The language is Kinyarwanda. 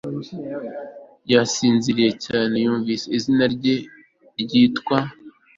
Yasinziriye cyane yumvise izina rye ryitwa